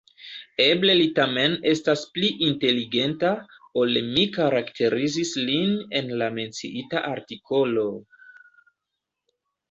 Eble li tamen estas pli inteligenta, ol mi karakterizis lin en la menciita artikolo...